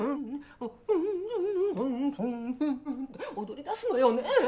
踊りだすのよね。